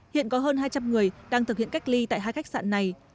hiện có hơn hai trăm linh người đang thực hiện cách ly tại hai khách sạn này